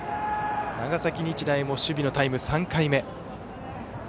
長崎日大も守備のタイム、３回目。